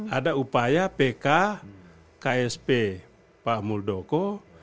ada upaya pk ksp pak muldoko